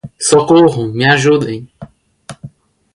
Socorro, me ajudem!